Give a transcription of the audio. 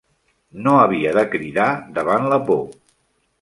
No havia de cridar davant la por.